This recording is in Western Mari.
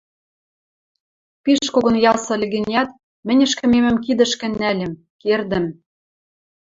Пиш когон ясы ыльы гӹнят, мӹнь ӹшкӹмемӹм кидӹшкӹ нӓльӹм, кердӹм.